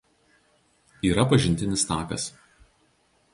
Yra Pažintinis takas.